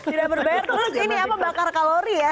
tidak berbayar terus ini apa bakar kalori ya